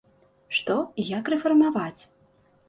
Што і як рэфармаваць?